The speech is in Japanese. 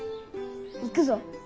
行くぞ。